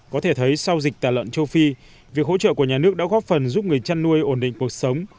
có thể thấy sau dịch tả lợn châu phi việc hỗ trợ của nhà nước đã góp phần giúp người chăn nuôi ổn định cuộc sống